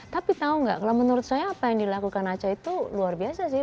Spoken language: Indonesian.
tapi tau gak kalau menurut saya apa yang dilakukan aca itu luar biasa sih